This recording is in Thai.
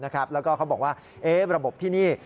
แล้วก็เขาบอกว่าระบบที่นี่